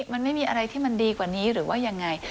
มันไม่มีอะไรที่มันดีกว่านี้หรือว่ายังไง